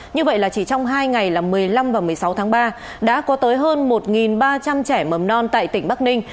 như vậy là chỉ trong hai ngày là một mươi năm và một mươi sáu tháng ba đã có tới hơn một ba trăm linh trẻ mầm non tại tỉnh bắc ninh